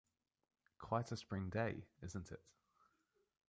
Quite a spring day, isn't it?